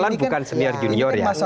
bukan persoalan bukan senior junior ya